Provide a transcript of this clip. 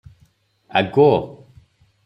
ଆଗୋ!